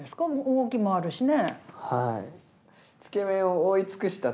動きもあるしね。